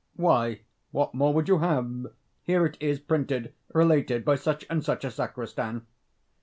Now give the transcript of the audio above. "Why, what more would you have? Here it is printed: 'Related by such and such a sacristan.